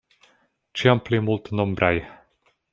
Ĉiam pli multnombraj.